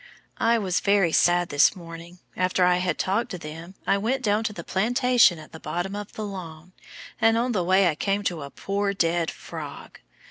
I was very sad this morning. After I had talked to them, I went down to the plantation at the bottom of the lawn, and on the way I came to a poor dead frog.